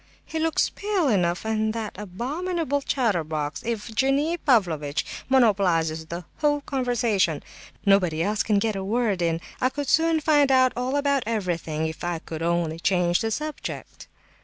He looks pale enough; and that abominable chatterbox, Evgenie Pavlovitch, monopolizes the whole of the conversation. Nobody else can get a word in. I could soon find out all about everything if I could only change the subject."